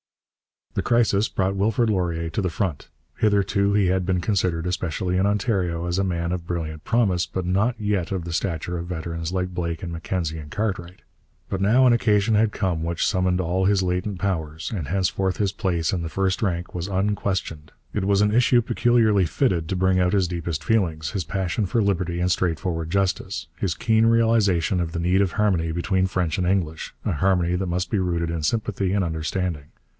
The crisis brought Wilfrid Laurier to the front. Hitherto he had been considered, especially in Ontario, as a man of brilliant promise, but not yet of the stature of veterans like Blake and Mackenzie and Cartwright. But now an occasion had come which summoned all his latent powers, and henceforth his place in the first rank was unquestioned. It was an issue peculiarly fitted to bring out his deepest feelings, his passion for liberty and straightforward justice, his keen realization of the need of harmony between French and English, a harmony that must be rooted in sympathy and understanding.